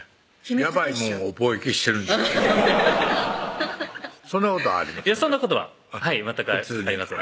やばいもんを貿易してるそんなことありませんか？